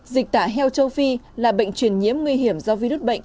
dịch tả heo châu phi là bệnh truyền nhiễm nguy hiểm do virus bệnh